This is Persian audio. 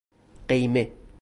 قیمه